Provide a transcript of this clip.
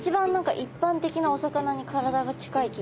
一般的なお魚に体が近い気がする。